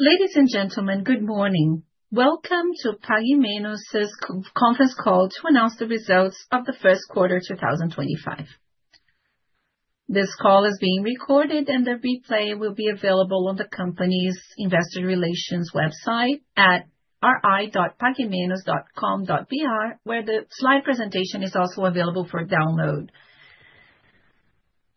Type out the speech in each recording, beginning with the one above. Ladies and gentlemen, good morning. Welcome to Pague Menos' conference call to announce the results of the first quarter 2025. This call is being recorded, and the replay will be available on the company's investor relations website at ri.paguemenos.com.br, where the slide presentation is also available for download.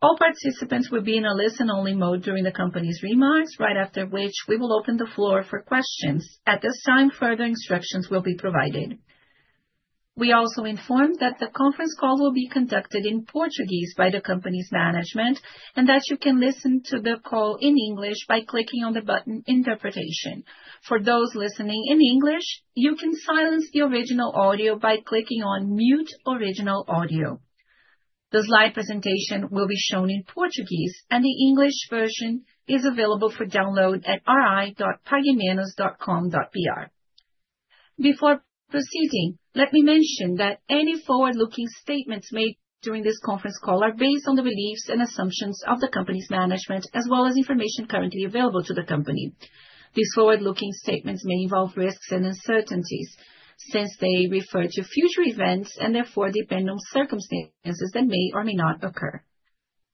All participants will be in a listen-only mode during the company's remarks, right after which we will open the floor for questions. At this time, further instructions will be provided. We also inform that the conference call will be conducted in Portuguese by the company's management and that you can listen to the call in English by clicking on the button "Interpretation." For those listening in English, you can silence the original audio by clicking on "Mute Original Audio." The slide presentation will be shown in Portuguese, and the English version is available for download at ri.paguemenos.com.br. Before proceeding, let me mention that any forward-looking statements made during this conference call are based on the beliefs and assumptions of the company's management, as well as information currently available to the company. These forward-looking statements may involve risks and uncertainties since they refer to future events and therefore depend on circumstances that may or may not occur.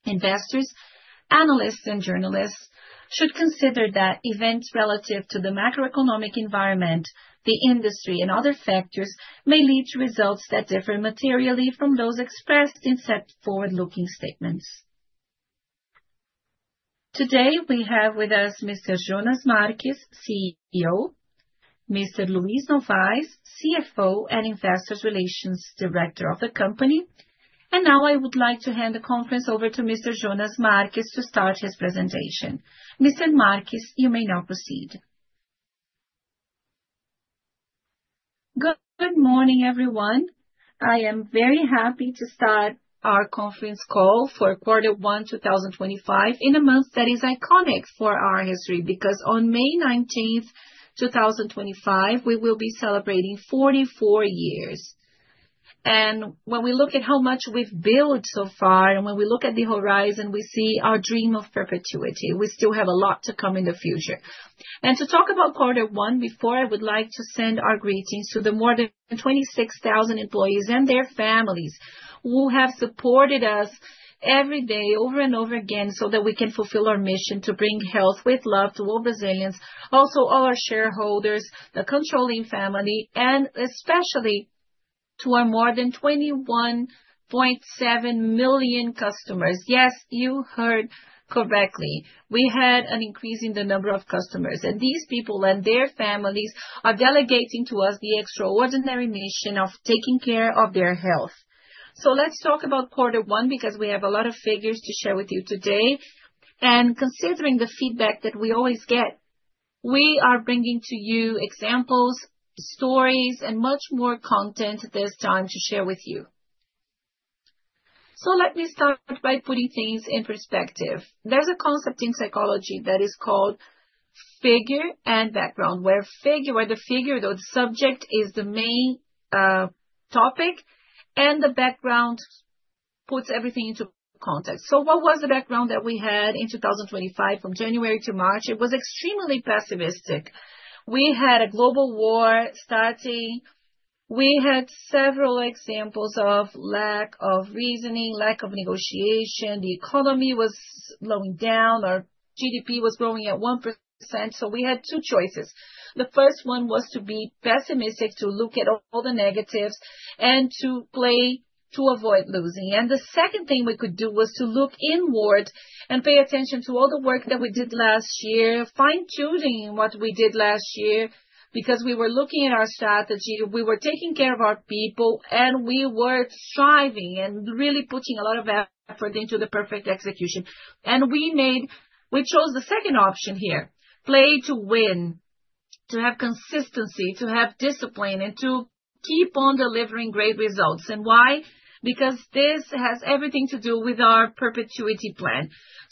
Investors, analysts, and journalists should consider that events relative to the macroeconomic environment, the industry, and other factors may lead to results that differ materially from those expressed in said forward-looking statements. Today, we have with us Mr. Jonas Marques, CEO; Mr. Luiz Novais, CFO and Investor Relations Director of the company. I would like to hand the conference over to Mr. Jonas Marques to start his presentation. Mr. Marques, you may now proceed. Good morning, everyone. I am very happy to start our conference call for quarter one 2025 in a month that is iconic for our history because on May 19th, 2025, we will be celebrating 44 years. When we look at how much we've built so far and when we look at the horizon, we see our dream of perpetuity. We still have a lot to come in the future. To talk about quarter one before, I would like to send our greetings to the more than 26,000 employees and their families who have supported us every day, over and over again, so that we can fulfill our mission to bring health with love to all Brazilians, also all our shareholders, the controlling family, and especially to our more than 21.7 million customers. Yes, you heard correctly. We had an increase in the number of customers, and these people and their families are delegating to us the extraordinary mission of taking care of their health. Let's talk about quarter one because we have a lot of figures to share with you today. Considering the feedback that we always get, we are bringing to you examples, stories, and much more content this time to share with you. Let me start by putting things in perspective. There is a concept in psychology that is called figure and background, where the figure, the subject, is the main topic, and the background puts everything into context. What was the background that we had in 2025 from January to March? It was extremely pessimistic. We had a global war starting. We had several examples of lack of reasoning, lack of negotiation. The economy was slowing down. Our GDP was growing at 1%. We had two choices. The first one was to be pessimistic, to look at all the negatives and to play to avoid losing. The second thing we could do was to look inward and pay attention to all the work that we did last year, fine-tuning what we did last year because we were looking at our strategy, we were taking care of our people, and we were striving and really putting a lot of effort into the perfect execution. We chose the second option here, play to win, to have consistency, to have discipline, and to keep on delivering great results. Why? Because this has everything to do with our perpetuity plan.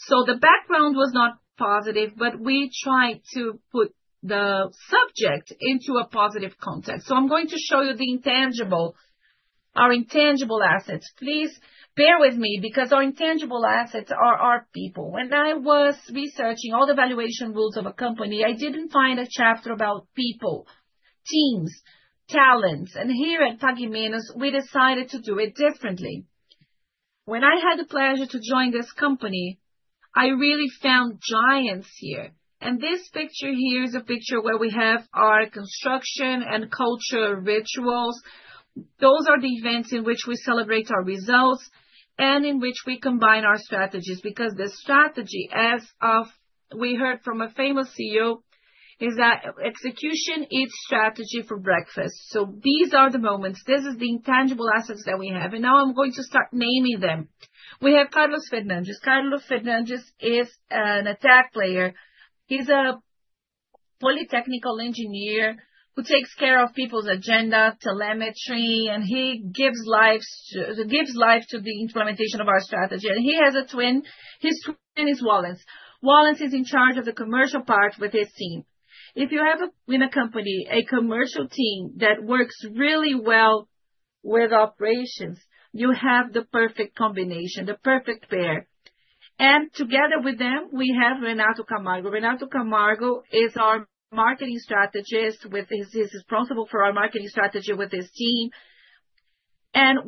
The background was not positive, but we tried to put the subject into a positive context. I'm going to show you the intangible, our intangible assets. Please bear with me because our intangible assets are our people. When I was researching all the valuation rules of a company, I didn't find a chapter about people, teams, talents. Here at Pague Menos, we decided to do it differently. When I had the pleasure to join this company, I really found giants here. This picture here is a picture where we have our construction and culture rituals. Those are the events in which we celebrate our results and in which we combine our strategies because the strategy, as we heard from a famous CEO, is that execution eats strategy for breakfast. These are the moments. This is the intangible assets that we have. Now I'm going to start naming them. We have Carlos Fernandes. Carlos Fernandes is an attack player. He's a polytechnical engineer who takes care of people's agenda, telemetry, and he gives life to the implementation of our strategy. He has a twin. His twin is Walace. Walace is in charge of the commercial part with his team. If you have in a company a commercial team that works really well with operations, you have the perfect combination, the perfect pair. Together with them, we have Renato Camargo. Renato Camargo is our marketing strategist who is responsible for our marketing strategy with his team.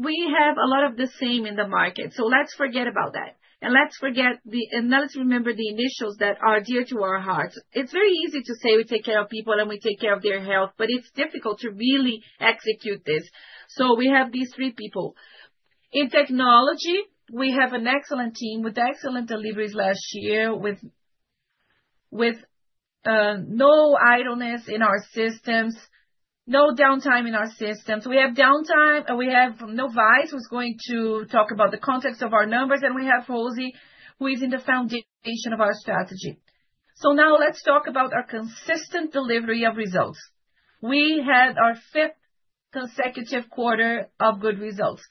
We have a lot of the same in the market. Let's forget about that. Let's remember the initials that are dear to our hearts. It's very easy to say we take care of people and we take care of their health, but it's difficult to really execute this. We have these three people. In technology, we have an excellent team with excellent deliveries last year with no idleness in our systems, no downtime in our systems. We have downtime. We have Novais, who's going to talk about the context of our numbers, and we have Rosi, who is in the foundation of our strategy. Now let's talk about our consistent delivery of results. We had our fifth consecutive quarter of good results,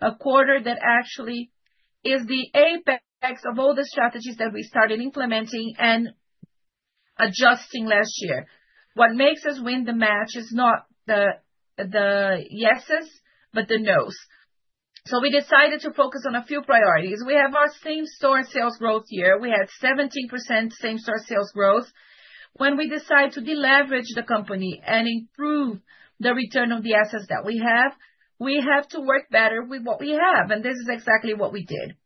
a quarter that actually is the apex of all the strategies that we started implementing and adjusting last year. What makes us win the match is not the yeses, but the nos. We decided to focus on a few priorities. We have our same-store sales growth year. We had 17% same-store sales growth. When we decide to deleverage the company and improve the return on the assets that we have, we have to work better with what we have. This is exactly what we did.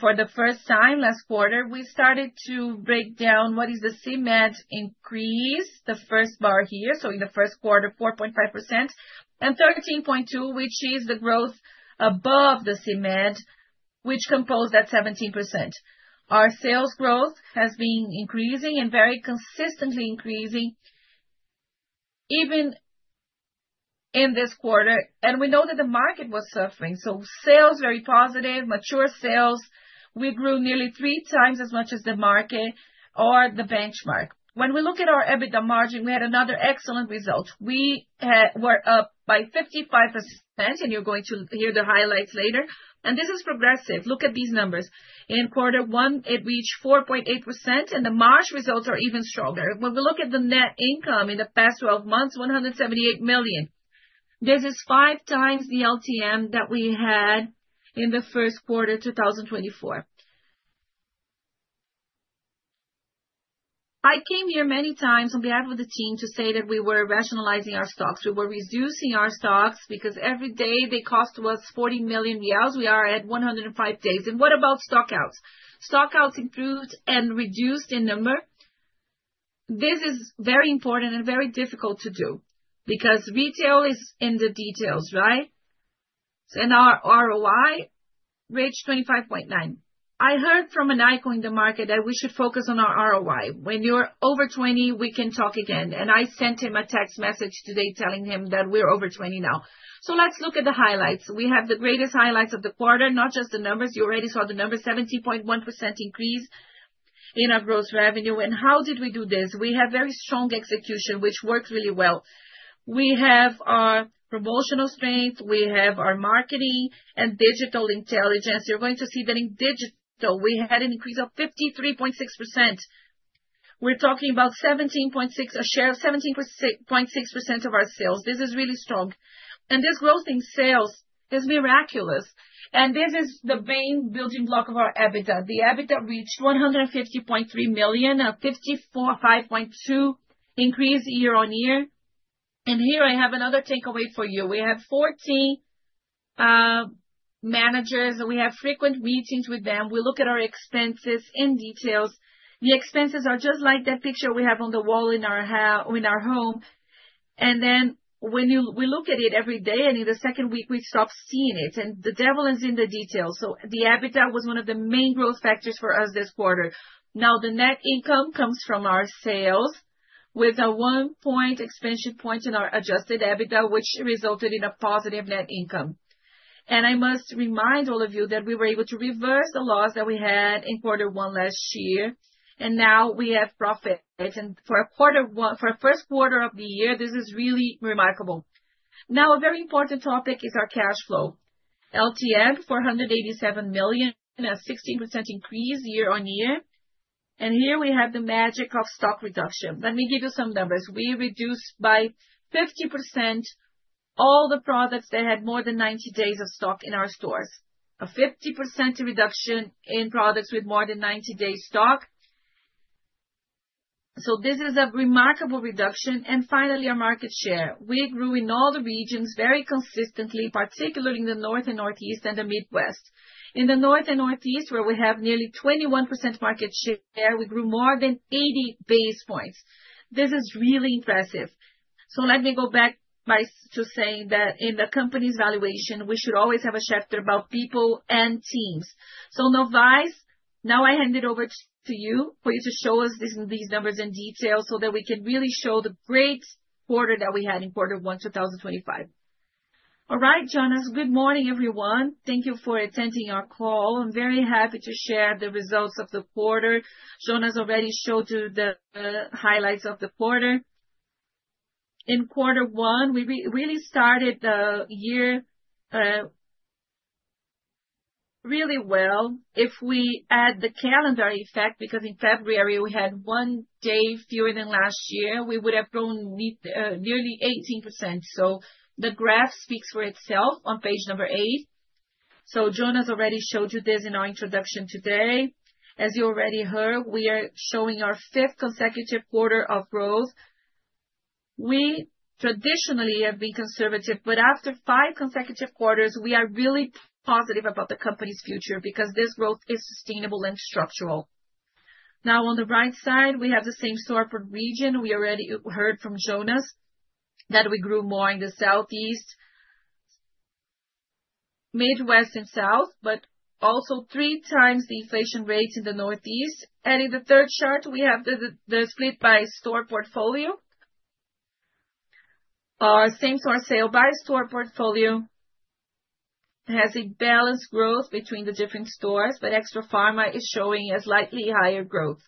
For the first time last quarter, we started to break down what is the CMED increase, the first bar here. In the first quarter, 4.5% and 13.2%, which is the growth above the CMED, which composed at 17%. Our sales growth has been increasing and very consistently increasing even in this quarter. We know that the market was suffering. Sales, very positive, mature sales. We grew nearly three times as much as the market or the benchmark. When we look at our EBITDA margin, we had another excellent result. We were up by 55%, and you're going to hear the highlights later. This is progressive. Look at these numbers. In quarter one, it reached 4.8%, and the March results are even stronger. When we look at the net income in the past 12 months, 178 million. This is five times the LTM that we had in the first quarter 2024. I came here many times on behalf of the team to say that we were rationalizing our stocks. We were reducing our stocks because every day they cost us 40 million reais. We are at 105 days. What about stockouts? Stockouts improved and reduced in number. This is very important and very difficult to do because retail is in the details, right? Our ROI reached 25.9%. I heard from an eye going to market that we should focus on our ROI. When you're over 20%, we can talk again. I sent him a text message today telling him that we're over 20% now. Let's look at the highlights. We have the greatest highlights of the quarter, not just the numbers. You already saw the numbers, 17.1% increase in our gross revenue. How did we do this? We have very strong execution, which worked really well. We have our promotional strength. We have our marketing and digital intelligence. You're going to see that in digital, we had an increase of 53.6%. We're talking about a share of 17.6% of our sales. This is really strong. This growth in sales is miraculous. This is the main building block of our EBITDA. The EBITDA reached 150.3 million, a 55.2% increase year-on-year. Here I have another takeaway for you. We have 14 managers. We have frequent meetings with them. We look at our expenses in detail. The expenses are just like that picture we have on the wall in our home. Then when we look at it every day, in the second week, we stop seeing it. The devil is in the details. The EBITDA was one of the main growth factors for us this quarter. Now the net income comes from our sales with a one-point expansion point in our adjusted EBITDA, which resulted in a positive net income. I must remind all of you that we were able to reverse the loss that we had in quarter one last year. Now we have profit. For a first quarter of the year, this is really remarkable. A very important topic is our cash flow. LTM, 487 million, a 16% increase year-on-year. Here we have the magic of stock reduction. Let me give you some numbers. We reduced by 50% all the products that had more than 90 days of stock in our stores, a 50% reduction in products with more than 90 days stock. This is a remarkable reduction. Finally, our market share. We grew in all the regions very consistently, particularly in the North and Northeast and the Midwest. In the North and Northeast, where we have nearly 21% market share, we grew more than 80 basis points. This is really impressive. Let me go back to saying that in the company's valuation, we should always have a chapter about people and teams. Novais, now I hand it over to you for you to show us these numbers in detail so that we can really show the great quarter that we had in quarter one 2025. All right, Jonas, good morning, everyone. Thank you for attending our call. I'm very happy to share the results of the quarter. Jonas already showed you the highlights of the quarter. In quarter one, we really started the year really well. If we add the calendar effect, because in February, we had one day fewer than last year, we would have grown nearly 18%. The graph speaks for itself on page number eight. Jonas already showed you this in our introduction today. As you already heard, we are showing our fifth consecutive quarter of growth. We traditionally have been conservative, but after five consecutive quarters, we are really positive about the company's future because this growth is sustainable and structural. Now, on the right side, we have the same store for region. We already heard from Jonas that we grew more in the Southeast, Midwest, and South, but also three times the inflation rates in the Northeast. In the third chart, we have the split by store portfolio. Our same-store sales by store portfolio has a balanced growth between the different stores, but Extrafarma is showing a slightly higher growth.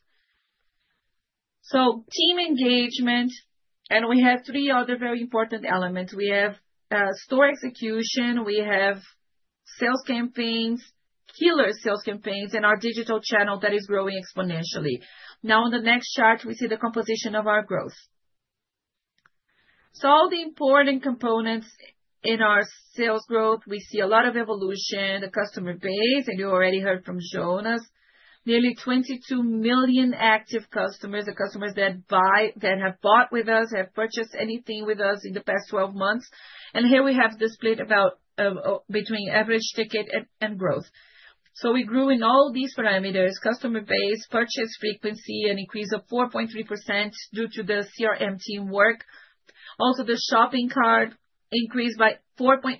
Team engagement, and we have three other very important elements. We have store execution, we have sales campaigns, killer sales campaigns, and our digital channel that is growing exponentially. Now, on the next chart, we see the composition of our growth. All the important components in our sales growth, we see a lot of evolution, the customer base, and you already heard from Jonas, nearly 22 million active customers, the customers that have bought with us, have purchased anything with us in the past 12 months. Here we have the split about between average ticket and growth. We grew in all these parameters, customer base, purchase frequency, an increase of 4.3% due to the CRM team work. Also, the shopping cart increased by 4.8%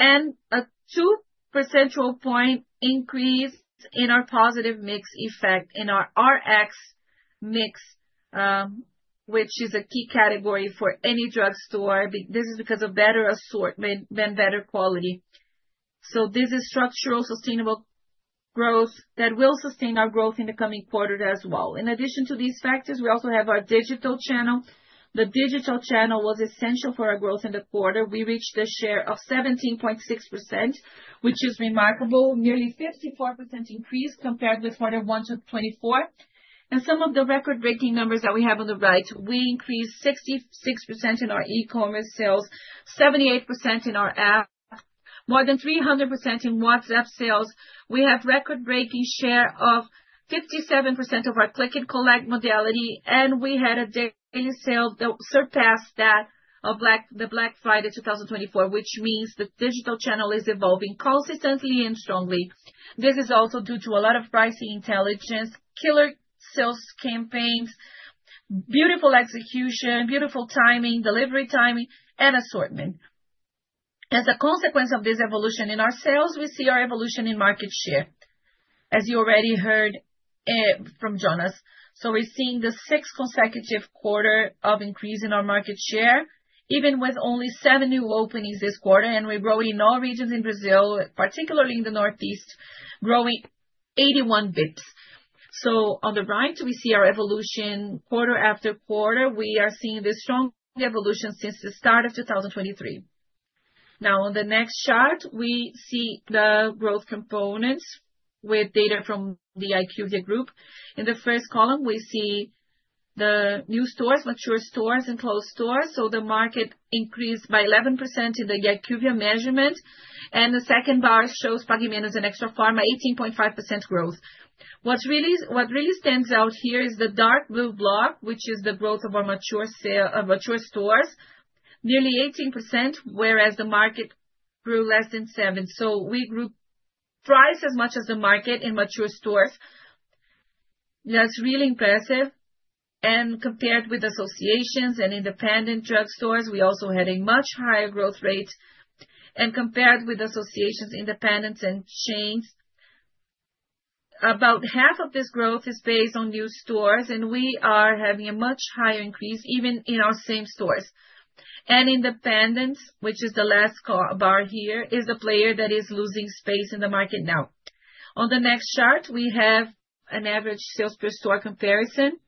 and a 2 percentage point increase in our positive mix effect in our RX mix, which is a key category for any drugstore. This is because of better assortment and better quality. This is structural sustainable growth that will sustain our growth in the coming quarter as well. In addition to these factors, we also have our digital channel. The digital channel was essential for our growth in the quarter. We reached the share of 17.6%, which is remarkable, nearly 54% increase compared with quarter one 2024. Some of the record-breaking numbers that we have on the right, we increased 66% in our e-commerce sales, 78% in our app, more than 300% in WhatsApp sales. We have record-breaking share of 57% of our click and collect modality, and we had a daily sale that surpassed that of Black Friday 2024, which means the digital channel is evolving consistently and strongly. This is also due to a lot of pricing intelligence, killer sales campaigns, beautiful execution, beautiful timing, delivery timing, and assortment. As a consequence of this evolution in our sales, we see our evolution in market share, as you already heard from Jonas. We are seeing the sixth consecutive quarter of increase in our market share, even with only seven new openings this quarter, and we are growing in all regions in Brazil, particularly in the Northeast, growing 81 bps. On the right, we see our evolution quarter after quarter. We are seeing this strong evolution since the start of 2023. Now, on the next chart, we see the growth components with data from the IQVIA group. In the first column, we see the new stores, mature stores, and closed stores. The market increased by 11% in the IQVIA measurement. The second bar shows Pague Menos and Extrafarma, 18.5% growth. What really stands out here is the dark blue block, which is the growth of our mature stores, nearly 18%, whereas the market grew less than 7%. We grew twice as much as the market in mature stores. That is really impressive. Compared with associations and independent drug stores, we also had a much higher growth rate. Compared with associations, independents, and chains, about half of this growth is based on new stores, and we are having a much higher increase even in our same stores. Independents, which is the last bar here, is the player that is losing space in the market now. On the next chart, we have an average sales per store comparison,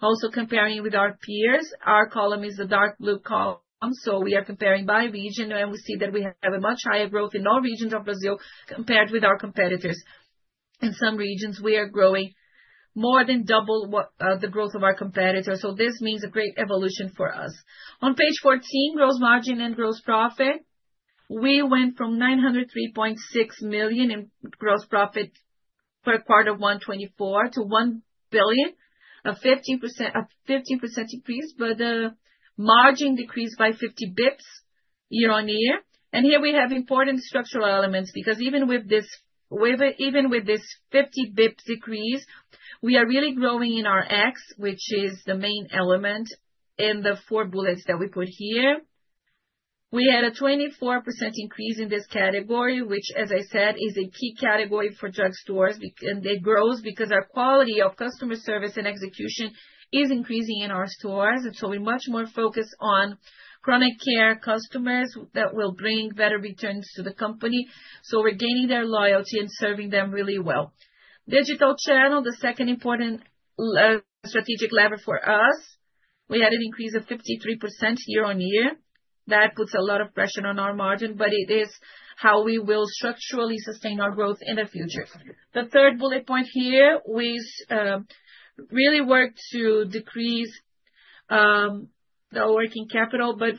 also comparing with our peers. Our column is the dark blue column, so we are comparing by region, and we see that we have a much higher growth in all regions of Brazil compared with our competitors. In some regions, we are growing more than double the growth of our competitors. This means a great evolution for us. On page 14, gross margin and gross profit, we went from 903.6 million in gross profit for quarter one 2024 to 1 billion, a 15% increase, but the margin decreased by 50 bps year-on-year. Here we have important structural elements because even with this 50 bps decrease, we are really growing in RX, which is the main element in the four bullets that we put here. We had a 24% increase in this category, which, as I said, is a key category for drug stores, and it grows because our quality of customer service and execution is increasing in our stores. We are much more focused on chronic care customers that will bring better returns to the company. We are gaining their loyalty and serving them really well. Digital channel, the second important strategic lever for us, we had an increase of 53% year-on-year. That puts a lot of pressure on our margin, but it is how we will structurally sustain our growth in the future. The third bullet point here was really work to decrease the working capital, but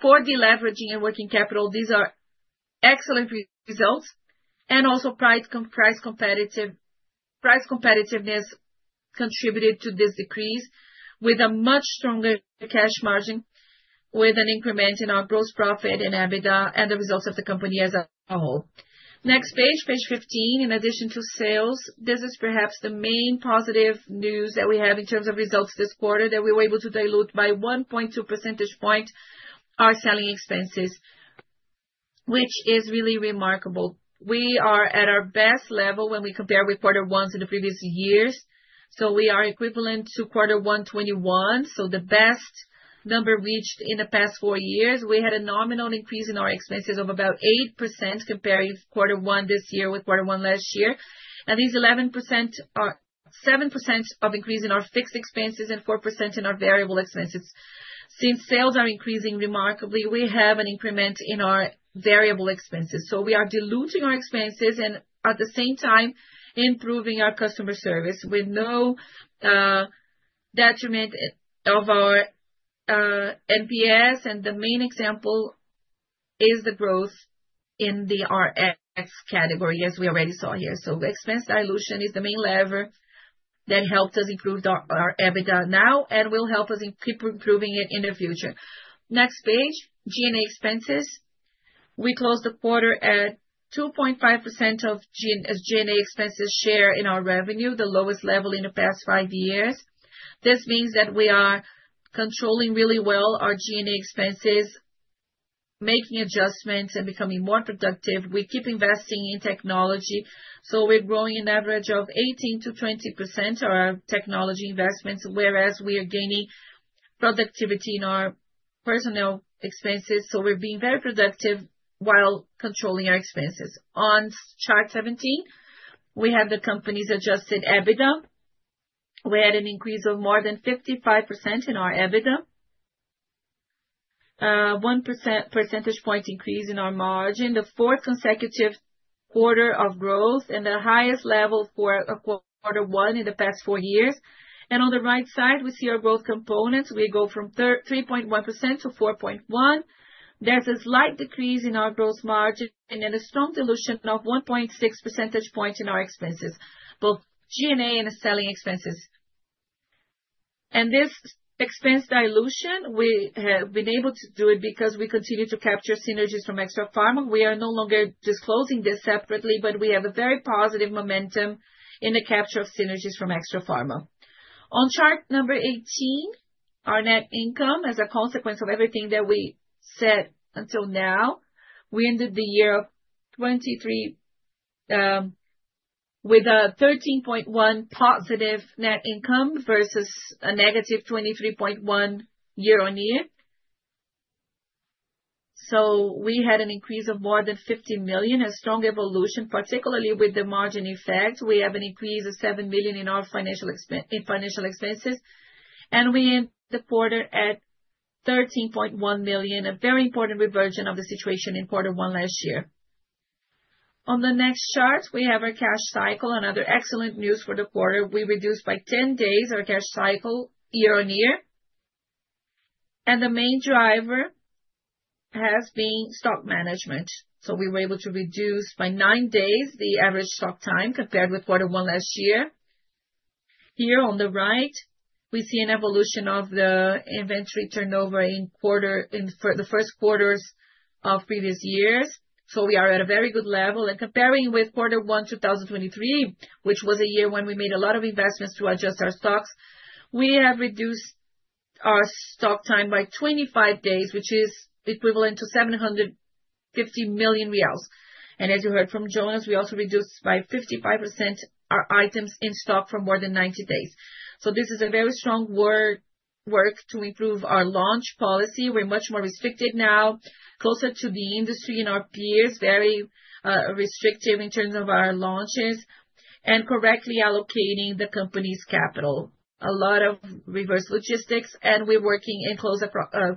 for the leveraging and working capital, these are excellent results. Also, price competitiveness contributed to this decrease with a much stronger cash margin, with an increment in our gross profit and EBITDA and the results of the company as a whole. Next page, page 15, in addition to sales, this is perhaps the main positive news that we have in terms of results this quarter that we were able to dilute by 1.2 percentage points our selling expenses, which is really remarkable. We are at our best level when we compare with quarter ones in the previous years. We are equivalent to quarter one 2021, so the best number reached in the past four years. We had a nominal increase in our expenses of about 8% comparing quarter one this year with quarter one last year. These 11% are 7% of increase in our fixed expenses and 4% in our variable expenses. Since sales are increasing remarkably, we have an increment in our variable expenses. We are diluting our expenses and at the same time improving our customer service with no detriment of our NPS. The main example is the growth in the RX category, as we already saw here. Expense dilution is the main lever that helped us improve our EBITDA now and will help us in keep improving it in the future. Next page, G&A expenses. We closed the quarter at 2.5% of G&A expenses share in our revenue, the lowest level in the past five years. This means that we are controlling really well our G&A expenses, making adjustments and becoming more productive. We keep investing in technology. We are growing an average of 18%-20% of our technology investments, whereas we are gaining productivity in our personnel expenses. We are being very productive while controlling our expenses. On chart 17, we have the company's adjusted EBITDA. We had an increase of more than 55% in our EBITDA, a 1 percentage point increase in our margin, the fourth consecutive quarter of growth and the highest level for quarter one in the past four years. On the right side, we see our growth components. We go from 3.1% to 4.1%. is a slight decrease in our gross margin and a strong dilution of 1.6 percentage points in our expenses, both G&A and selling expenses. This expense dilution, we have been able to do it because we continue to capture synergies from Extrafarma. We are no longer disclosing this separately, but we have a very positive momentum in the capture of synergies from Extrafarma. On chart number 18, our net income as a consequence of everything that we said until now, we ended the year of 2023 with a 13.1 million positive net income versus a negative 23.1 million year-on-year. We had an increase of more than 50 million, a strong evolution, particularly with the margin effect. We have an increase of 7 million in our financial expenses. We end the quarter at 13.1 million, a very important reversion of the situation in quarter one last year. On the next chart, we have our cash cycle and other excellent news for the quarter. We reduced by 10 days our cash cycle year-on-year. The main driver has been stock management. We were able to reduce by nine days the average stock time compared with quarter one last year. Here on the right, we see an evolution of the inventory turnover in the first quarters of previous years. We are at a very good level. Comparing with quarter one 2023, which was a year when we made a lot of investments to adjust our stocks, we have reduced our stock time by 25 days, which is equivalent to 750 million reais. As you heard from Jonas, we also reduced by 55% our items in stock for more than 90 days. This is a very strong work to improve our launch policy. We are much more restricted now, closer to the industry and our peers, very restrictive in terms of our launches and correctly allocating the company's capital. A lot of reverse logistics, and we are working in close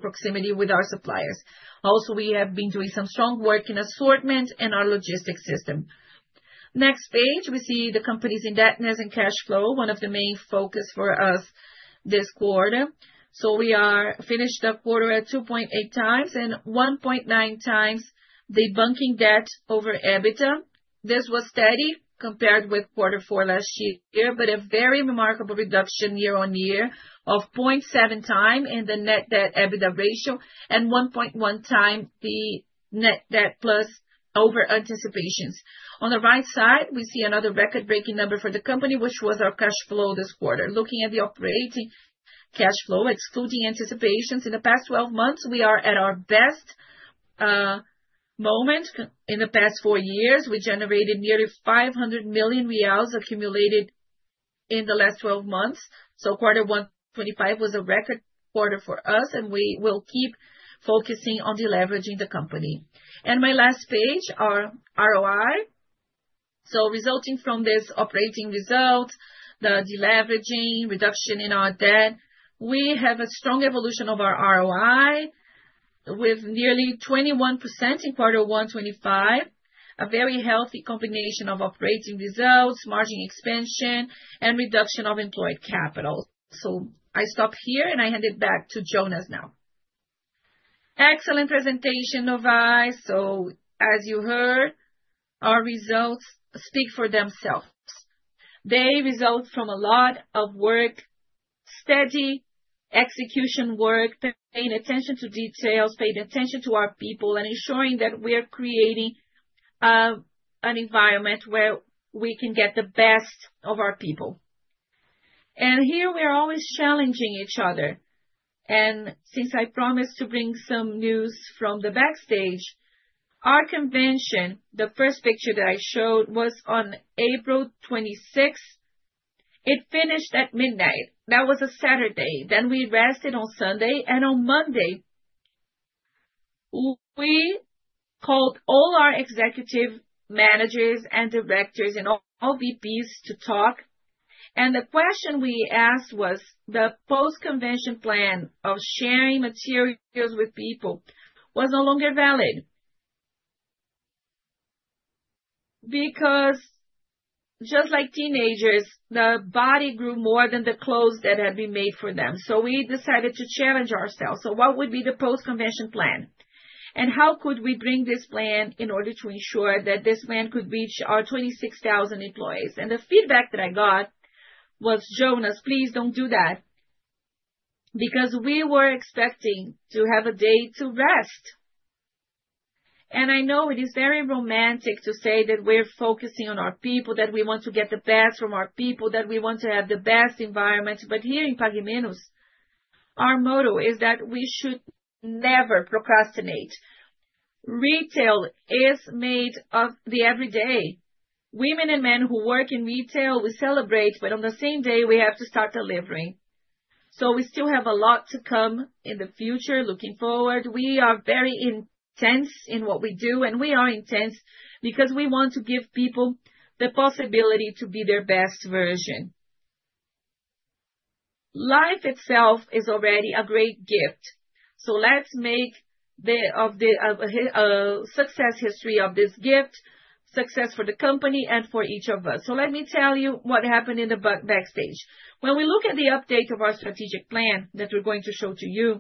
proximity with our suppliers. Also, we have been doing some strong work in assortment and our logistics system. Next page, we see the company's indebtedness and cash flow, one of the main focuses for us this quarter. We finished the quarter at 2.8x and 1.9x the banking debt over EBITDA. This was steady compared with quarter four last year, but a very remarkable reduction year-on-year of 0.7x in the net debt-EBITDA ratio and 1.1x the net debt plus over anticipations. On the right side, we see another record-breaking number for the company, which was our cash flow this quarter. Looking at the operating cash flow, excluding anticipations, in the past 12 months, we are at our best moment in the past four years. We generated nearly BRL 500 million accumulated in the last 12 months. Quarter one 2025 was a record quarter for us, and we will keep focusing on deleveraging the company. My last page, our ROI. Resulting from this operating result, the deleveraging, reduction in our debt, we have a strong evolution of our ROI with nearly 21% in quarter one 2025, a very healthy combination of operating results, margin expansion, and reduction of employed capital. I stop here, and I hand it back to Jonas now. Excellent presentation, Novais. As you heard, our results speak for themselves. They result from a lot of work, steady execution work, paying attention to details, paying attention to our people, and ensuring that we are creating an environment where we can get the best of our people. Here we are always challenging each other. Since I promised to bring some news from the backstage, our convention, the first picture that I showed was on April 26th. It finished at midnight. That was a Saturday. We rested on Sunday. On Monday, we called all our executive managers and directors and all VPs to talk. The question we asked was, the post-convention plan of sharing materials with people was no longer valid because, just like teenagers, the body grew more than the clothes that had been made for them. We decided to challenge ourselves. What would be the post-convention plan? How could we bring this plan in order to ensure that this plan could reach our 26,000 employees? The feedback that I got was, "Jonas, please don't do that," because we were expecting to have a day to rest. I know it is very romantic to say that we're focusing on our people, that we want to get the best from our people, that we want to have the best environment. Here in Pague Menos, our motto is that we should never procrastinate. Retail is made of the everyday. Women and men who work in retail, we celebrate, but on the same day, we have to start delivering. We still have a lot to come in the future, looking forward. We are very intense in what we do, and we are intense because we want to give people the possibility to be their best version. Life itself is already a great gift. Let's make of the success history of this gift success for the company and for each of us. Let me tell you what happened in the backstage. When we look at the update of our strategic plan that we're going to show to you,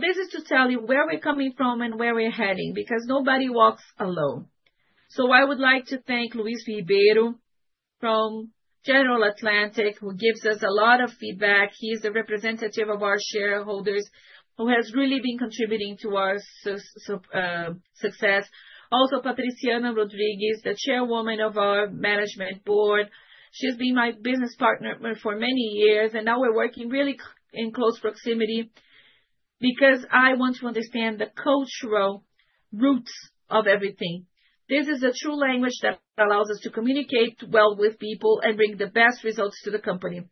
this is to tell you where we're coming from and where we're heading because nobody walks alone. I would like to thank Luiz Ribeiro from General Atlantic, who gives us a lot of feedback. He is a representative of our shareholders who has really been contributing to our success. Also, Patriciana Rodrigues, the Chairwoman of our management board. She has been my business partner for many years, and now we are working really in close proximity because I want to understand the cultural roots of everything. This is a true language that allows us to communicate well with people and bring the best results to the company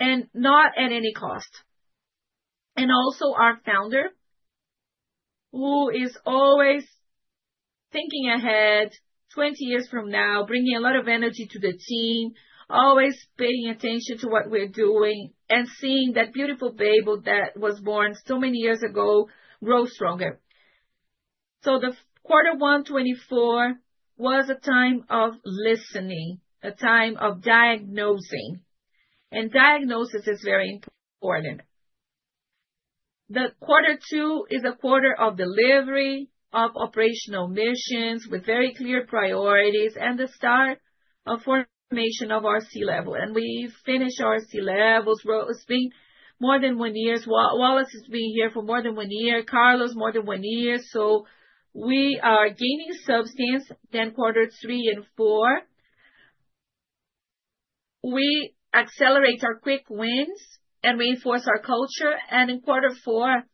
and not at any cost. Also, our founder, who is always thinking ahead 20 years from now, bringing a lot of energy to the team, always paying attention to what we are doing and seeing that beautiful baby that was born so many years ago grow stronger. The quarter one 2024 was a time of listening, a time of diagnosing. Diagnosis is very important. Quarter two is a quarter of delivery of operational missions with very clear priorities and the start of formation of our C level. We finished our C levels. Rosi has been more than one year. Walace has been here for more than one year. Carlos, more than one year. We are gaining substance. Quarter three and four, we accelerate our quick wins and reinforce our culture. In quarter four,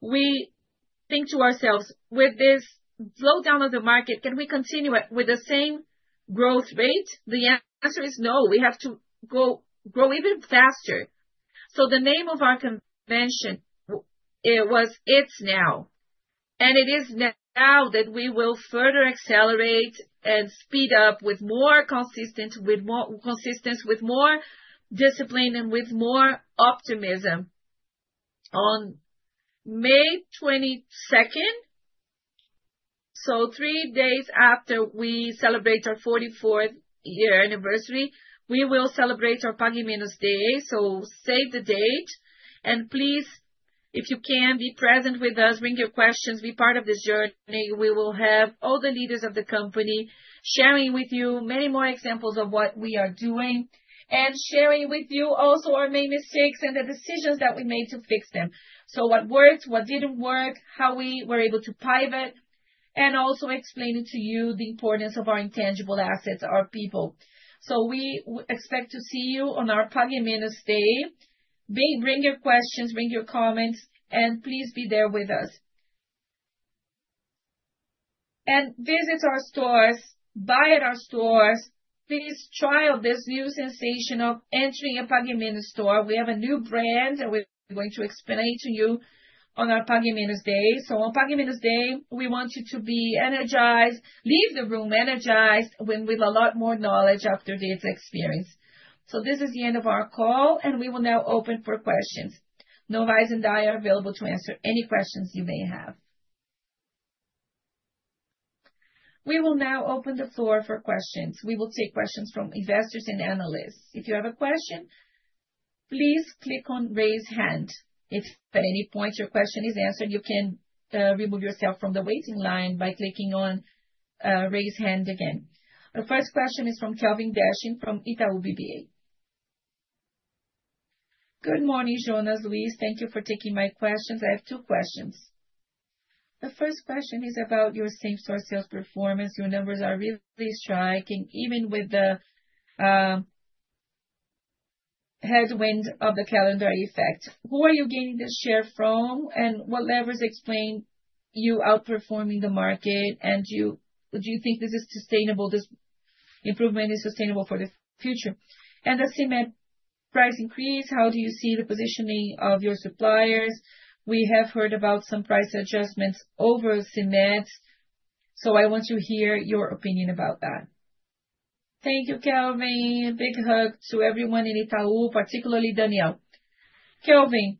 we think to ourselves, with this slowdown of the market, can we continue with the same growth rate? The answer is no. We have to grow even faster. The name of our convention, it was It's Now. It is now that we will further accelerate and speed up with more consistence, with more discipline, and with more optimism. On May 22nd, three days after we celebrate our 44th year anniversary, we will celebrate our Pague Menos Day. Save the date. Please, if you can, be present with us, bring your questions, be part of this journey. We will have all the leaders of the company sharing with you many more examples of what we are doing and sharing with you also our main mistakes and the decisions that we made to fix them. What worked, what did not work, how we were able to pivot, and also explaining to you the importance of our intangible assets, our people. We expect to see you on our Pague Menos Day. Bring your questions, bring your comments, and please be there with us. Visit our stores, buy at our stores. Please try out this new sensation of entering a Pague Menos store. We have a new brand that we're going to explain to you on our Pague Menos Day. On Pague Menos Day, we want you to be energized, leave the room energized with a lot more knowledge after this experience. This is the end of our call, and we will now open for questions. Novais and I are available to answer any questions you may have. We will now open the floor for questions. We will take questions from investors and analysts. If you have a question, please click on raise hand. If at any point your question is answered, you can remove yourself from the waiting line by clicking on raise hand again. The first question is from Kelvin Dechen from Itaú BBA. Good morning, Jonas. Luiz, thank you for taking my questions. I have two questions. The first question is about your same-store sales performance. Your numbers are really striking, even with the headwind of the calendar effect. Who are you gaining this share from? What levers explain you outperforming the market? Do you think this is sustainable? This improvement is sustainable for the future? The cement price increase, how do you see the positioning of your suppliers? We have heard about some price adjustments over cement. I want to hear your opinion about that. Thank you, Kelvin. Big hug to everyone in Itaú, particularly Danielle. Kelvin,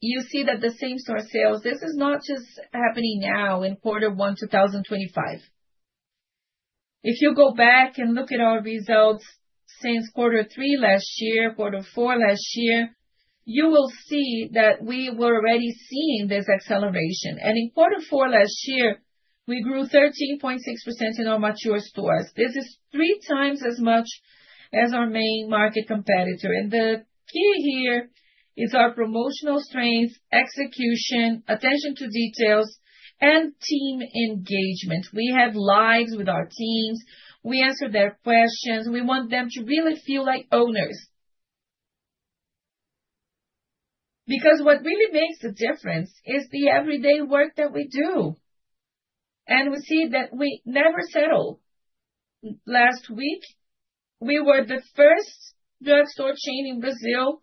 you see that the same-store sales, this is not just happening now in quarter one 2025. If you go back and look at our results since quarter three last year, quarter four last year, you will see that we were already seeing this acceleration. In quarter four last year, we grew 13.6% in our mature stores. This is three times as much as our main market competitor. The key here is our promotional strengths, execution, attention to details, and team engagement. We had lives with our teams. We answered their questions. We want them to really feel like owners. Because what really makes the difference is the everyday work that we do. We see that we never settle. Last week, we were the first drugstore chain in Brazil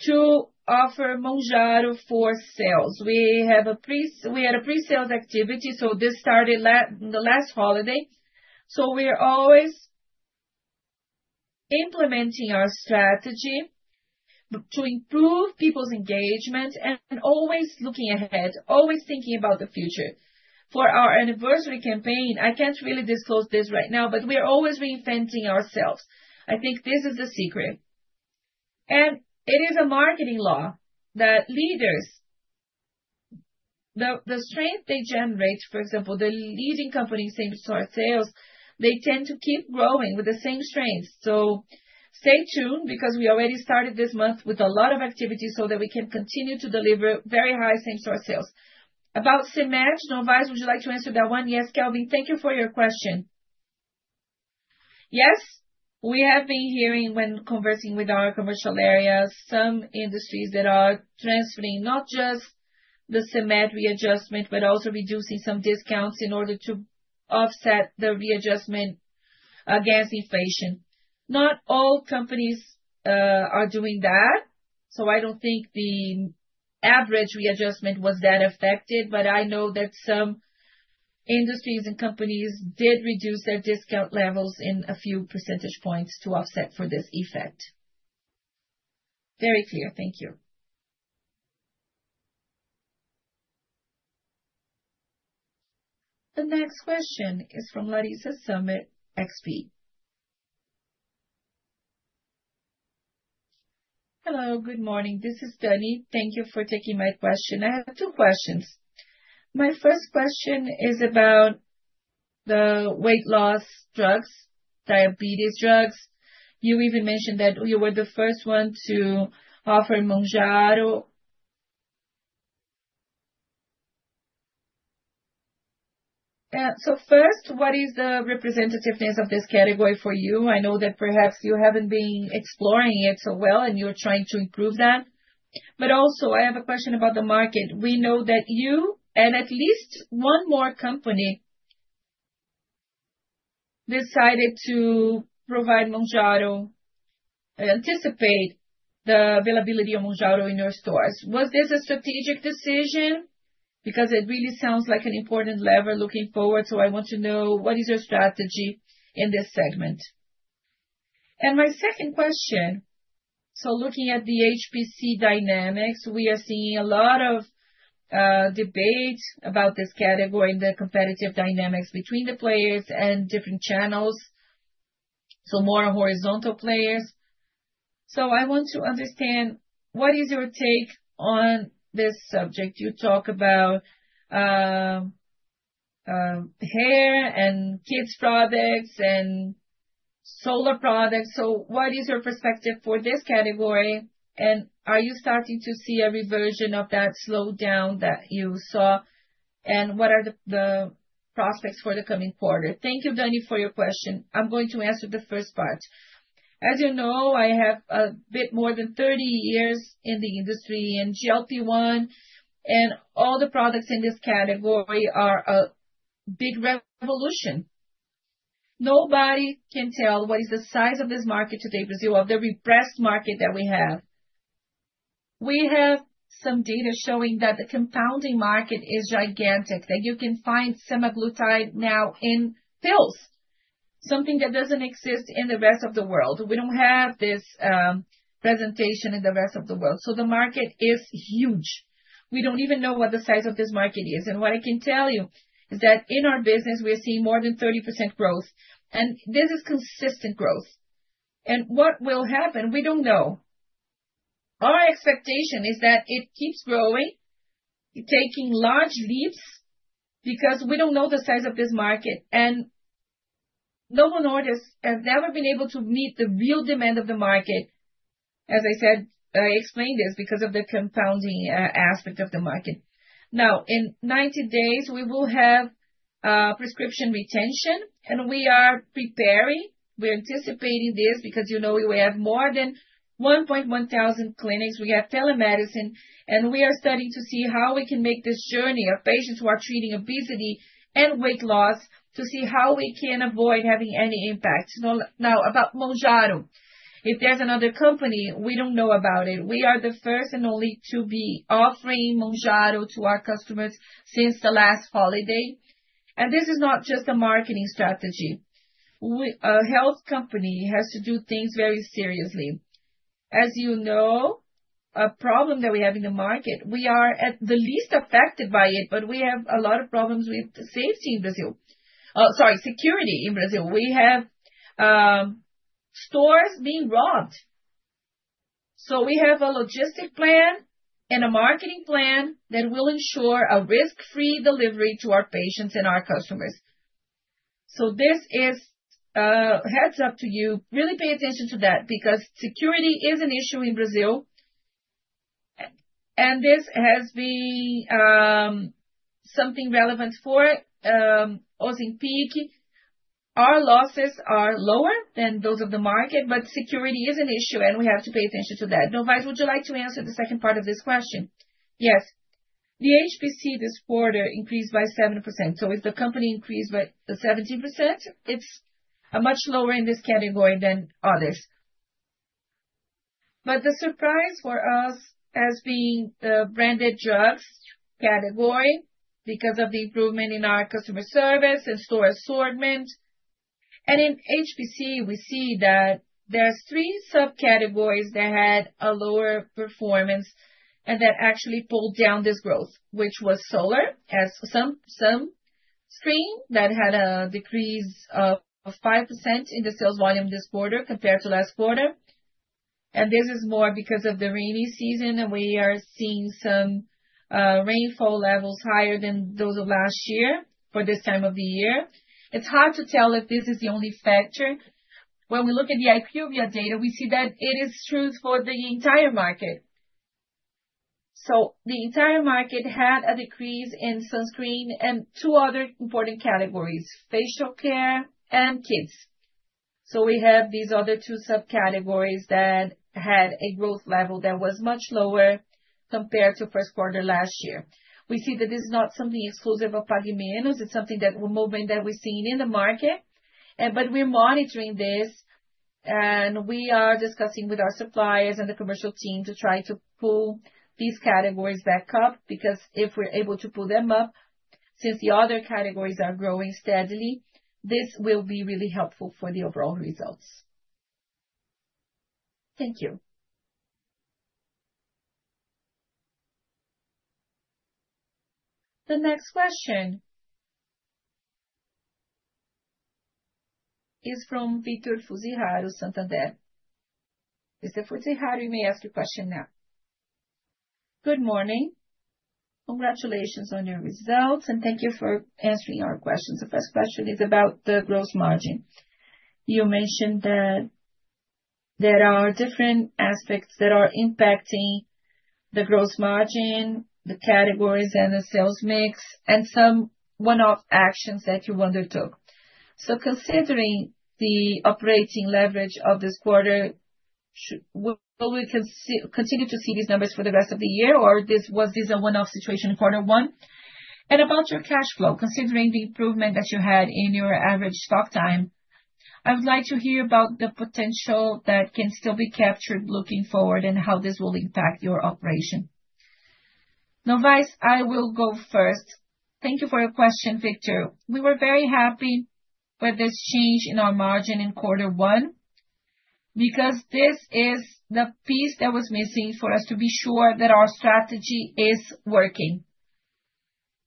to offer Mounjaro for sales. We had a pre-sales activity, so this started the last holiday. We are always implementing our strategy to improve people's engagement and always looking ahead, always thinking about the future. For our anniversary campaign, I can't really disclose this right now, but we are always reinventing ourselves. I think this is the secret. It is a marketing law that leaders, the strength they generate, for example, the leading company's same-store sales, they tend to keep growing with the same strength. Stay tuned because we already started this month with a lot of activity so that we can continue to deliver very high same-store sales. About cement, Novais, would you like to answer that one? Yes, Kelvin, thank you for your question. Yes, we have been hearing when conversing with our commercial areas, some industries that are transferring not just the cement readjustment, but also reducing some discounts in order to offset the readjustment against inflation. Not all companies are doing that. I do not think the average readjustment was that affected, but I know that some industries and companies did reduce their discount levels in a few percentage points to offset for this effect. Very clear. Thank you. The next question is from Laryssa Sumer, XP. Hello, good morning. This is Danni. Thank you for taking my question. I have two questions. My first question is about the weight loss drugs, diabetes drugs. You even mentioned that you were the first one to offer Mounjaro. First, what is the representativeness of this category for you? I know that perhaps you haven't been exploring it so well, and you're trying to improve that. Also, I have a question about the market. We know that you and at least one more company decided to provide Mounjaro, anticipate the availability of Mounjaro in your stores. Was this a strategic decision? It really sounds like an important lever looking forward. I want to know, what is your strategy in this segment? My second question, looking at the HPC dynamics, we are seeing a lot of debate about this category and the competitive dynamics between the players and different channels, more horizontal players. I want to understand, what is your take on this subject? You talk about hair and kids' products and solar products. What is your perspective for this category? Are you starting to see a reversion of that slowdown that you saw? What are the prospects for the coming quarter? Thank you, Danni, for your question. I'm going to answer the first part. As you know, I have a bit more than 30 years in the industry in GLP-1, and all the products in this category are a big revolution. Nobody can tell what is the size of this market today, Brazil, of the repressed market that we have. We have some data showing that the compounding market is gigantic, that you can find semaglutide now in pills, something that does not exist in the rest of the world. We do not have this presentation in the rest of the world. The market is huge. We do not even know what the size of this market is. What I can tell you is that in our business, we are seeing more than 30% growth. This is consistent growth. What will happen? We do not know. Our expectation is that it keeps growing, taking large leaps because we do not know the size of this market. Novo Nordisk has never been able to meet the real demand of the market. As I said, I explained this because of the compounding aspect of the market. Now, in 90 days, we will have prescription retention, and we are preparing. We're anticipating this because you know we have more than 1,100 clinics. We have telemedicine, and we are studying to see how we can make this journey of patients who are treating obesity and weight loss to see how we can avoid having any impact. Now, about Mounjaro, if there's another company, we don't know about it. We are the first and only to be offering Mounjaro to our customers since the last holiday. This is not just a marketing strategy. A health company has to do things very seriously. As you know, a problem that we have in the market, we are at the least affected by it, but we have a lot of problems with the safety in Brazil. Sorry, security in Brazil. We have stores being robbed. We have a logistic plan and a marketing plan that will ensure a risk-free delivery to our patients and our customers. This is a heads-up to you. Really pay attention to that because security is an issue in Brazil. This has been something relevant for us in [Ozempic]. Our losses are lower than those of the market, but security is an issue, and we have to pay attention to that. Novais, would you like to answer the second part of this question? Yes. The HPC this quarter increased by 7%. If the company increased by 17%, it is much lower in this category than others. The surprise for us has been the branded drugs category because of the improvement in our customer service and store assortment. In HPC, we see that there are three subcategories that had a lower performance and that actually pulled down this growth, which was solar as sunscreen that had a decrease of 5% in the sales volume this quarter compared to last quarter. This is more because of the rainy season, and we are seeing some rainfall levels higher than those of last year for this time of the year. It's hard to tell if this is the only factor. When we look at the IQVIA data, we see that it is true for the entire market. The entire market had a decrease in sunscreen and two other important categories, facial care and kids. We have these other two subcategories that had a growth level that was much lower compared to first quarter last year. We see that this is not something exclusive of Pague Menos. It's something that we're moving, that we're seeing in the market. We are monitoring this, and we are discussing with our suppliers and the commercial team to try to pull these categories back up because if we're able to pull them up, since the other categories are growing steadily, this will be really helpful for the overall results. Thank you. The next question is from Vitor Fuziharo, Santander. Mr. Fuziharo, you may ask your question now. Good morning. Congratulations on your results, and thank you for answering our questions. The first question is about the gross margin. You mentioned that there are different aspects that are impacting the gross margin, the categories, and the sales mix, and some one-off actions that you undertook. Considering the operating leverage of this quarter, will we continue to see these numbers for the rest of the year, or was this a one-off situation in quarter one? About your cash flow, considering the improvement that you had in your average stock time, I would like to hear about the potential that can still be captured looking forward and how this will impact your operation. Novais, I will go first. Thank you for your question, Vitor. We were very happy with this change in our margin in quarter one because this is the piece that was missing for us to be sure that our strategy is working.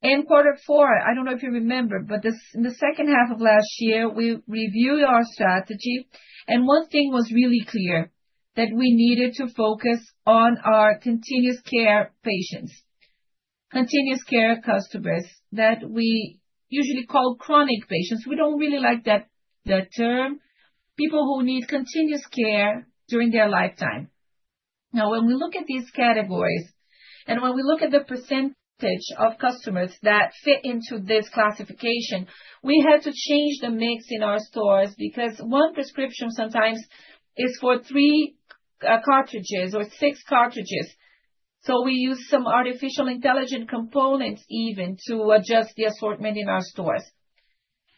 In quarter four, I don't know if you remember, but in the second half of last year, we reviewed our strategy, and one thing was really clear that we needed to focus on our continuous care patients, continuous care customers that we usually call chronic patients. We don't really like that term, people who need continuous care during their lifetime. Now, when we look at these categories and when we look at the percentage of customers that fit into this classification, we had to change the mix in our stores because one prescription sometimes is for three cartridges or six cartridges. We used some artificial intelligent components even to adjust the assortment in our stores.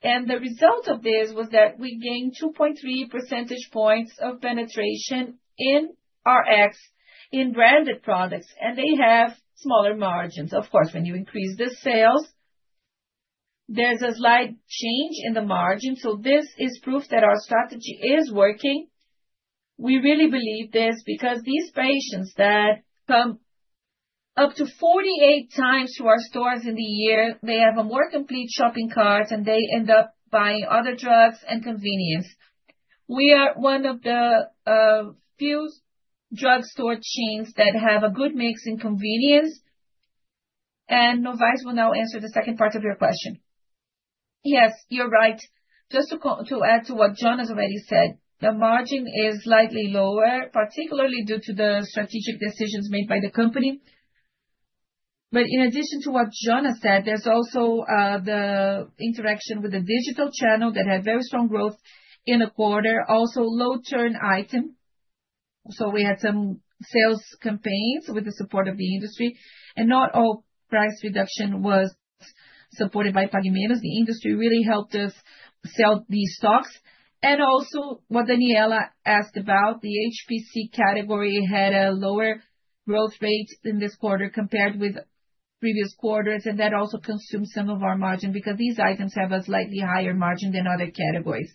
The result of this was that we gained 2.3 percentage points of penetration in our RX in branded products, and they have smaller margins. Of course, when you increase the sales, there's a slight change in the margin. This is proof that our strategy is working. We really believe this because these patients that come up to 48 times to our stores in the year, they have a more complete shopping cart, and they end up buying other drugs and convenience. We are one of the few drugstore chains that have a good mix in convenience. Novais will now answer the second part of your question. Yes, you're right. Just to add to what Jonas has already said, the margin is slightly lower, particularly due to the strategic decisions made by the company. In addition to what Jonas has said, there's also the interaction with the digital channel that had very strong growth in a quarter, also low-turn item. We had some sales campaigns with the support of the industry, and not all price reduction was supported by Pague Menos. The industry really helped us sell these stocks. Also, what Danniela asked about, the HPC category had a lower growth rate in this quarter compared with previous quarters, and that also consumed some of our margin because these items have a slightly higher margin than other categories.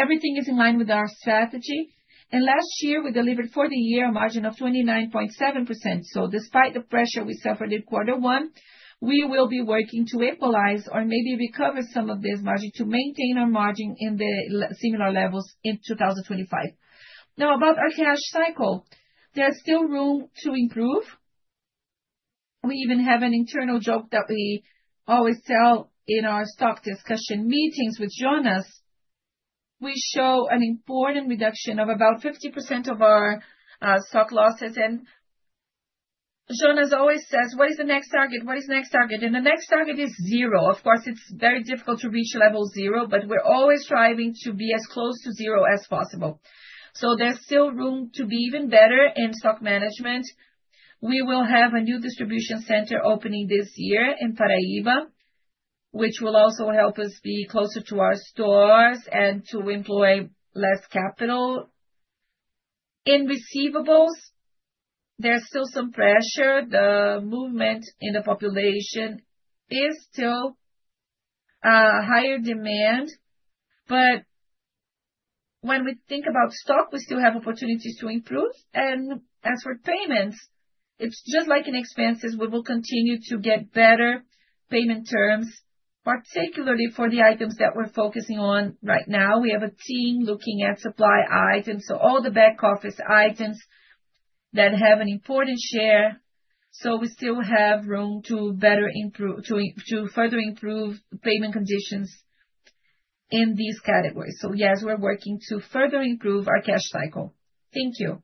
Everything is in line with our strategy. Last year, we delivered for the year a margin of 29.7%. Despite the pressure we suffered in quarter one, we will be working to equalize or maybe recover some of this margin to maintain our margin at similar levels in 2025. Now, about our cash cycle, there is still room to improve. We even have an internal joke that we always tell in our stock discussion meetings with Jonas. We show an important reduction of about 50% of our stock losses. Jonas always says, "What is the next target? What is the next target?" The next target is zero. Of course, it's very difficult to reach level zero, but we're always striving to be as close to zero as possible. There is still room to be even better in stock management. We will have a new distribution center opening this year in Paraíba, which will also help us be closer to our stores and to employ less capital. In receivables, there is still some pressure. The movement in the population is still higher demand. When we think about stock, we still have opportunities to improve. As for payments, it's just like in expenses. We will continue to get better payment terms, particularly for the items that we're focusing on right now. We have a team looking at supply items, so all the back office items that have an important share. We still have room to further improve payment conditions in these categories. Yes, we are working to further improve our cash cycle. Thank you.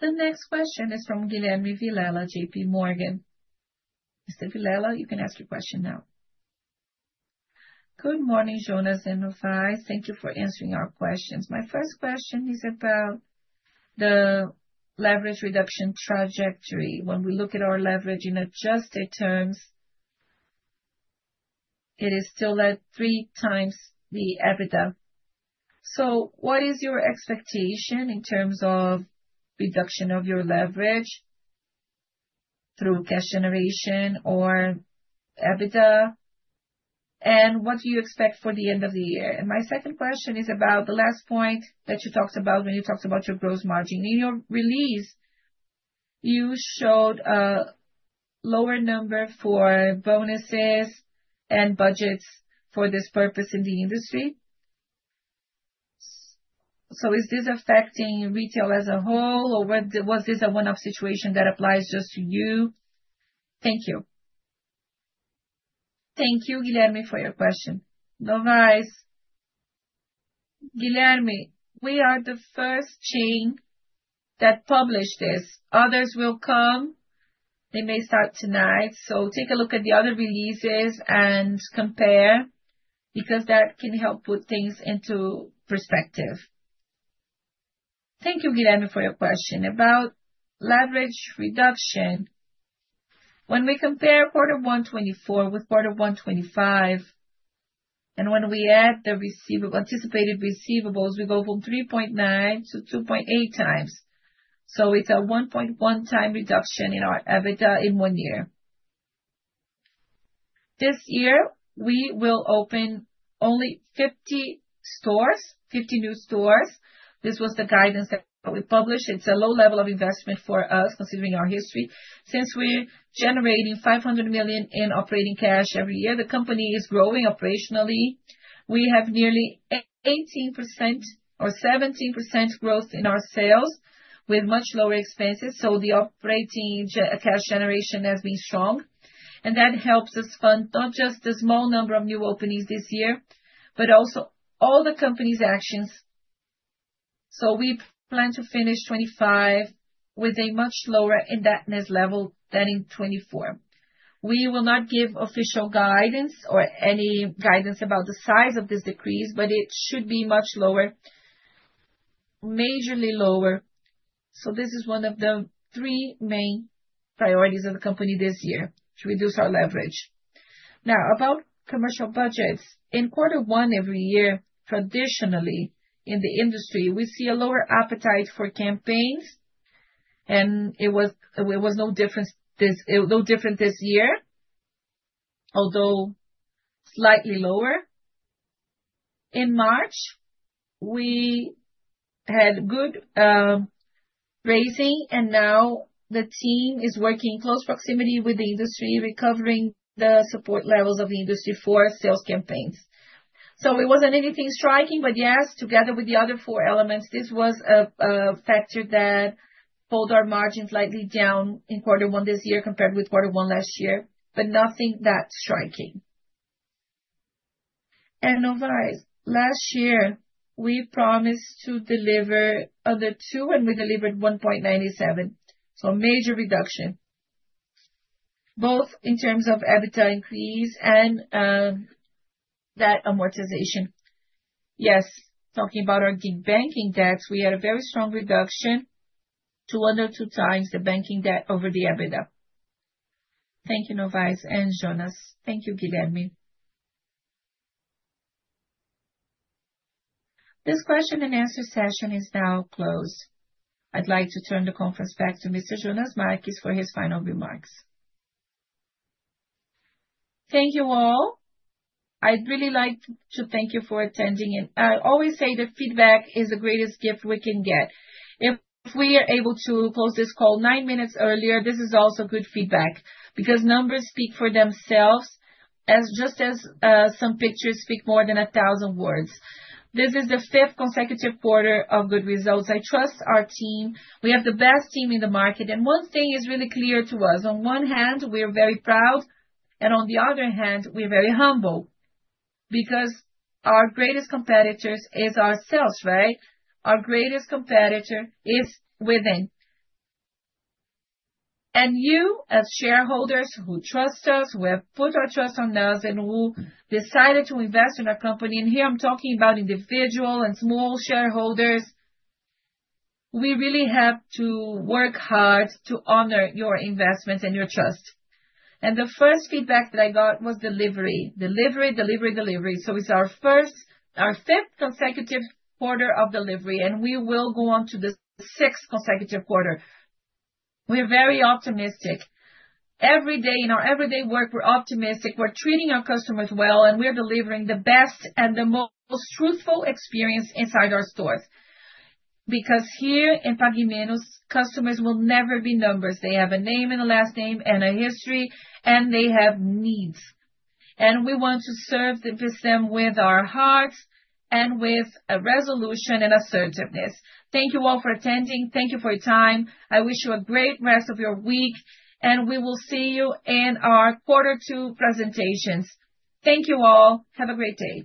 The next question is from Guilherme Vilela, JPMorgan. Mr. Vilela, you can ask your question now. Good morning, Jonas and Novais. Thank you for answering our questions. My first question is about the leverage reduction trajectory. When we look at our leverage in adjusted terms, it is still at three times the EBITDA. What is your expectation in terms of reduction of your leverage through cash generation or EBITDA? What do you expect for the end of the year? My second question is about the last point that you talked about when you talked about your gross margin. In your release, you showed a lower number for bonuses and budgets for this purpose in the industry. Is this affecting retail as a whole, or was this a one-off situation that applies just to you? Thank you. Thank you, Guilherme, for your question. Novais, Guilherme, we are the first chain that published this. Others will come. They may start tonight. Take a look at the other releases and compare because that can help put things into perspective. Thank you, Guilherme, for your question about leverage reduction. When we compare quarter one 2024 with quarter one 2025, and when we add the anticipated receivables, we go from 3.9x to 2.8x. It is a 1.1x reduction in our EBITDA in one year. This year, we will open only 50 stores, 50 new stores. This was the guidance that we published. It's a low level of investment for us, considering our history. Since we're generating 500 million in operating cash every year, the company is growing operationally. We have nearly 18% or 17% growth in our sales with much lower expenses. The operating cash generation has been strong. That helps us fund not just a small number of new openings this year, but also all the company's actions. We plan to finish 2025 with a much lower indebtedness level than in 2024. We will not give official guidance or any guidance about the size of this decrease, but it should be much lower, majorly lower. This is one of the three main priorities of the company this year to reduce our leverage. Now, about commercial budgets. In quarter one every year, traditionally in the industry, we see a lower appetite for campaigns, and it was no different this year, although slightly lower. In March, we had good raising, and now the team is working in close proximity with the industry, recovering the support levels of the industry for sales campaigns. It was not anything striking, but yes, together with the other four elements, this was a factor that pulled our margin slightly down in quarter one this year compared with quarter one last year, but nothing that striking. And Novais, last year, we promised to deliver under two, and we delivered 1.97x. A major reduction, both in terms of EBITDA increase and that amortization. Yes, talking about our banking debts, we had a very strong reduction, 2.02x the banking debt over the EBITDA. Thank you, Novis and Jonas. Thank you, Guilherme. This question and answer session is now closed. I'd like to turn the conference back to Mr. Jonas Marques for his final remarks. Thank you all. I'd really like to thank you for attending. I always say that feedback is the greatest gift we can get. If we are able to close this call nine minutes earlier, this is also good feedback because numbers speak for themselves, just as some pictures speak more than a thousand words. This is the fifth consecutive quarter of good results. I trust our team. We have the best team in the market. One thing is really clear to us. On one hand, we're very proud, and on the other hand, we're very humble because our greatest competitor is ourselves, right? Our greatest competitor is within. You, as shareholders who trust us, who have put your trust on us, and who decided to invest in our company—here I am talking about individual and small shareholders—we really have to work hard to honor your investments and your trust. The first feedback that I got was delivery, delivery, delivery, delivery. It is our fifth consecutive quarter of delivery, and we will go on to the sixth consecutive quarter. We are very optimistic. Every day in our everyday work, we are optimistic. We are treating our customers well, and we are delivering the best and the most truthful experience inside our stores. Because here in Pague Menos, customers will never be numbers. They have a name and a last name and a history, and they have needs. We want to serve them with our hearts and with a resolution and assertiveness. Thank you all for attending. Thank you for your time. I wish you a great rest of your week, and we will see you in our quarter two presentations. Thank you all. Have a great day.